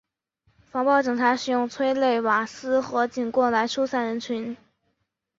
防暴警察使用催泪瓦斯和警棍来疏散人群。